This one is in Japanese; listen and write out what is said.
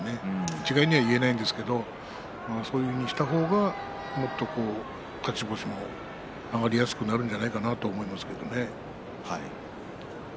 一概には言えないんですけれどもそういうふうにした方がもっと勝ち星が挙がりやすくなるんじゃないかなと思うんですがね。